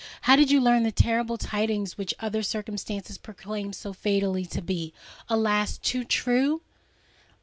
how did you learn the terrible tidings which other circumstances proclaim so fatally to be, alas! too true?"